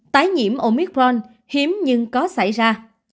tái nhiễm omicron hiếm nhưng có xảy ra